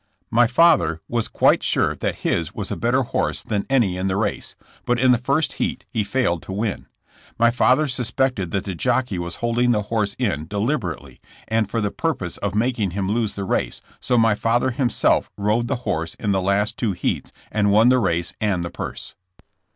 My father was quite sure that his was a better horse than any in the race, but in the first heat he failed to win. My father suspected that the jockey was holding the horse in deliberately and for the purpose of making him lose the race, so my father himself rode the horse in the last two heats and won the race and the purse.